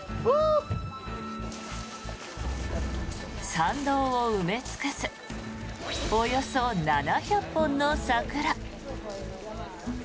参道を埋め尽くすおよそ７００本の桜。